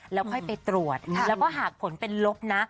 แล้วค่อยไปตรวจแล้วก็หากผลเป็นลบนะ